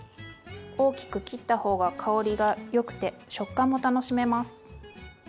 大きく切った方が香りがよくて食感も楽しめます。